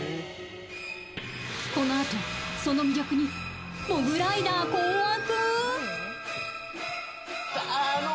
このあと、その魅力にモグライダー困惑。